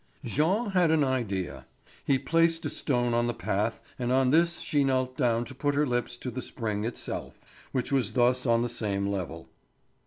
Jean had an idea; he placed a stone on the path and on this she knelt down to put her lips to the spring itself, which was thus on the same level.